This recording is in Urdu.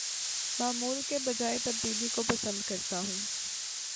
معمول کے بجاے تبدیلی کو پسند کرتا ہوں